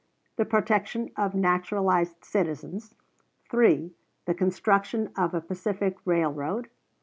The protection of naturalized citizens. 3. The construction of a Pacific railroad.